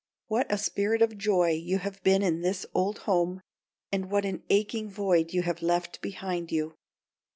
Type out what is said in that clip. What a spirit of joy you have been in this old home, and what an aching void you have left behind you!